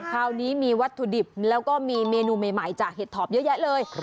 คราวนี้มีวัตถุดิบแล้วก็มีเมนูใหม่จากเห็ดถอบเยอะแยะเลย